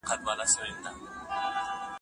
د مینې تېر یادونه،